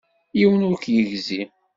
Yiwen ur k-yegzi.